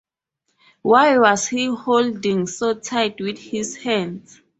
Why was he holding so tightly with his hands?